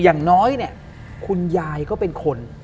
อย่างนึงคืออย่างน้อยเนี่ยคุณยายก็เป็นคน